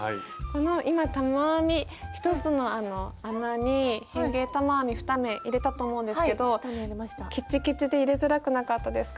今玉編み１つの穴に変形玉編み２目入れたと思うんですけどきちきちで入れづらくなかったですか？